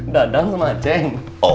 dadang sama ceng